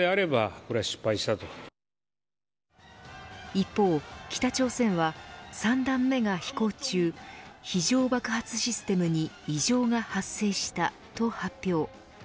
一方北朝鮮は３段目が飛行中非常爆発システムに異常が発生したと発表。